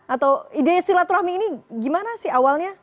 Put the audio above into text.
atau ide istilah terahmi ini gimana sih awalnya